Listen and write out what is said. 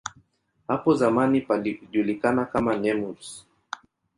Hapo zamani palijulikana kama "Nemours".